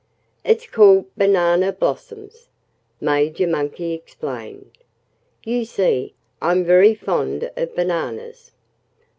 "It's called 'Banana Blossoms,'" Major Monkey explained. "You see, I'm very fond of bananas."